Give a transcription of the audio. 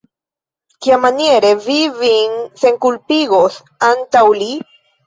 Kiamaniere vi vin senkulpigos antaŭ li?